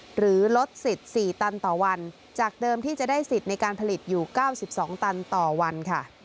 หรือลดสิทธิ์๔ตันต่อวันจากเดิมที่จะได้สิทธิ์ในการผลิตอยู่๙๒ตันต่อวันค่ะ